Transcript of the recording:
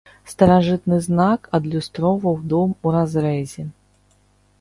Старажытны знак адлюстроўваў дом у разрэзе.